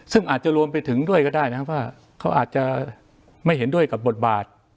ซึ่งอาจจะรวมไปถึงด้วยก็ได้นะครับว่าเขาอาจจะไม่เห็นด้วยกับบทบาท